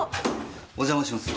お邪魔します。